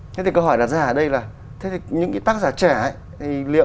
thế thì câu hỏi đặt ra ở đây là thế thì những cái tác giả trẻ ấy